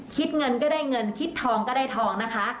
คิดเงินก็ได้เงินคิดทองก็ได้ทองนะคะ